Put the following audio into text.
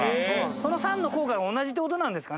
その酸の効果が同じってことなんですかね。